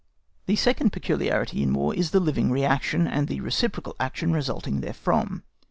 The second peculiarity in War is the living reaction, and the reciprocal action resulting therefrom.